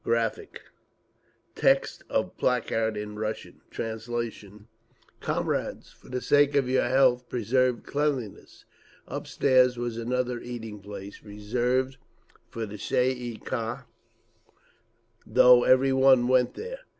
[Graphic, page 33: text of placard in russian, translation follows] COMRADES FOR THE SAKE OF YOUR HEALTH, PRESERVE CLEANLINESS. Upstairs was another eating place, reserved for the Tsay ee kah— though every one went there.